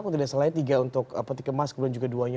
kalau tidak salah tiga untuk petikemas kemudian juga dua nya